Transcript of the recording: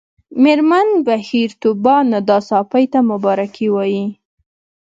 مېرمن بهیر طوبا ندا ساپۍ ته مبارکي وايي